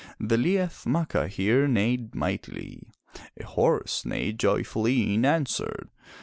The Liath Macha here neighed mightily. A horse neighed joyfully in answer.